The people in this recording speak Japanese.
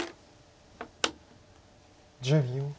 １０秒。